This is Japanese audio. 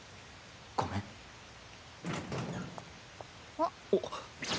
あっ。